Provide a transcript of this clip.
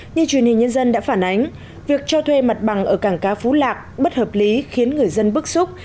như truyền hình nhân dân đã phản ánh việc cho thuê mặt bằng ở cảng cá phú lạc bất hợp lý khiến người dân bức xúc